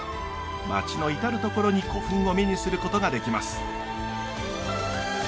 町の至る所に古墳を目にすることができます。